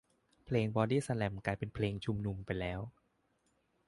เพลงบอดี้สแลมกลายเป็นเพลงชุมนุมไปแล้ว